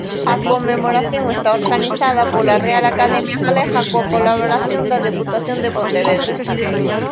A conmemoración está organizada pola Real Academia Galega coa colaboración da Deputación de Pontevedra.